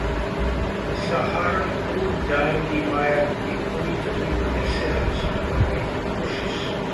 सहारनपुर जाएंगी मायावती, खोई जमीन फिर से हासिल करने की कोशिश